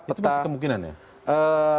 itu masih kemungkinan ya